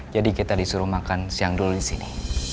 jadi kita disuruh makan siang dulu disini